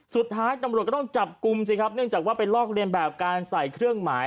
สุดท้ายตำรวจก็ต้องจับกลุ่มสิครับเนื่องจากว่าไปลอกเรียนแบบการใส่เครื่องหมาย